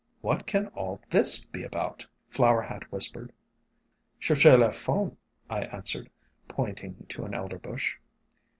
"What can all this be about?" Flower Hat whispered. " Cbercbez la femmef" I answered, pointing to an Elder Bush.